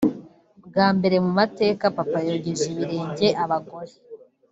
Bwa mbere mu mateka Papa yogeje ibirenge abagore